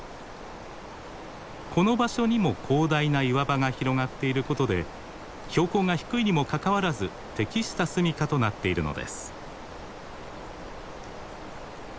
この場所にも広大な岩場が広がっていることで標高が低いにもかかわらず適したすみかとなっているのです。